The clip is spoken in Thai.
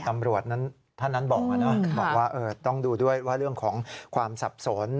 ท่านนั้นบอกว่าต้องดูด้วยว่าเรื่องของความสับสน